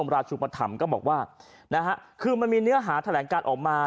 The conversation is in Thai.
ราชุปธรรมก็บอกว่านะฮะคือมันมีเนื้อหาแถลงการออกมา